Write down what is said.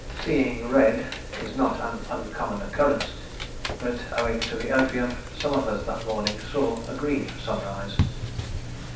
"Seeing red" is not an uncommon occurrence, but, owing to the opium, some of us that morning saw a green sunrise.